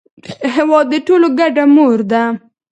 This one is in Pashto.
هېواد د ټولو ګډه مور ده.